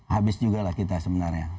habis juga lah kita sebenarnya